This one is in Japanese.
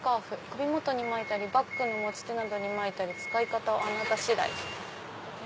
首もとに巻いたりバッグの持ち手などに巻いたり使い方はあなた次第」。